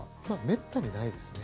めったにないですね。